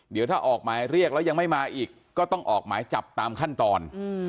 เดี๋ยวถ้าออกหมายเรียกแล้วยังไม่มาอีกก็ต้องออกหมายจับตามขั้นตอน